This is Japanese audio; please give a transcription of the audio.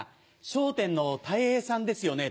「『笑点』のたい平さんですよね？」。